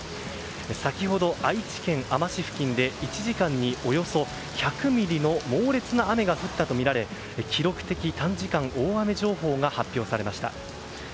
先ほど、愛知県あま市付近で１時間におよそ１００ミリの猛烈な雨が降ったとみられ記録的短時間大雨情報が発表されました。